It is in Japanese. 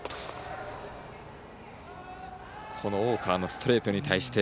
この大川のストレートに対して。